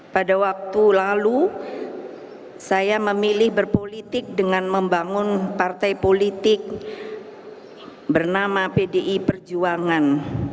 pada waktu lalu saya memilih berpolitik dengan membangun partai politik bernama pdi perjuangan